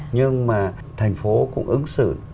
nhưng mà thành phố cũng ứng xử